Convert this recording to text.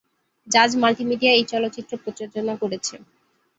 জাজ মাল্টিমিডিয়া এই চলচ্চিত্র প্রযোজনা করেছে।